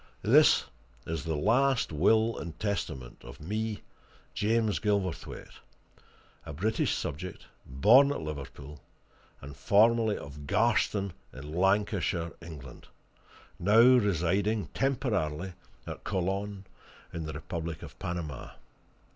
"This is the last will and testament of me, James Gilverthwaite, a British subject, born at Liverpool, and formerly of Garston, in Lancashire, England, now residing temporarily at Colon, in the Republic of Panama.